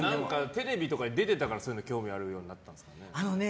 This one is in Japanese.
テレビとかに出てたからそういうの興味あるようになったんですかね。